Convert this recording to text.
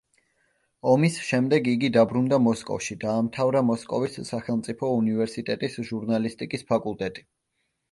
ომის შემდეგ იგი დაბრუნდა მოსკოვში, დაამთავრა მოსკოვის სახელმწიფო უნივერსიტეტის ჟურნალისტიკის ფაკულტეტი.